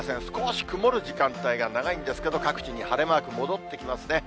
少し曇る時間帯が長いんですけど、各地に晴れマーク戻ってきますね。